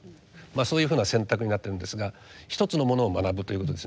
そういうふうな選択になってるんですが一つのものを学ぶということですね。